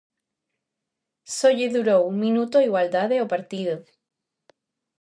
Só lle durou un minuto ao igualdade ao partido.